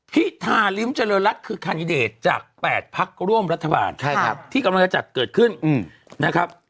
พิธาริมเจริญรัฐคือแคนดิเดตจาก๘พักร่วมรัฐบาลที่กำลังจะจัดเกิดขึ้นนะครับ